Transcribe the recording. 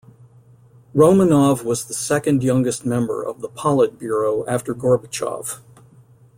Romanov was the second youngest member of the Politburo after Gorbachev.